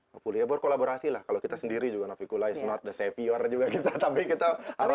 nah boleh ya buat kolaborasi lah kalau kita sendiri juga navikula is not the savior juga kita tapi kita harapkan ya